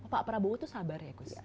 pak prabowo itu sabar ya gus